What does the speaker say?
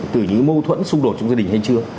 từ những mâu thuẫn xung đột trong gia đình hay chưa